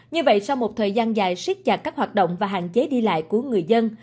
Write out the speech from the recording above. như vậy sau một thời gian dài xích chặt các hoạt động và hạn chế đi lại của người dân